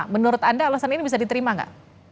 menurut anda alasan ini bisa diterima nggak